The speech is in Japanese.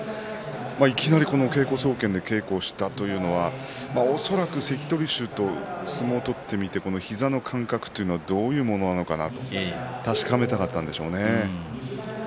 いきなり稽古総見で稽古をしたというのは恐らく関取衆と相撲を取ってみて膝の感覚がどういうものなのか確かめたかったんでしょうね。